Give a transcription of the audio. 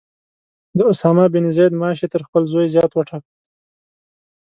د اسامه بن زید معاش یې تر خپل زوی زیات وټاکه.